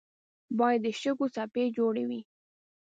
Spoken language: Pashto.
باد د شګو څپې جوړوي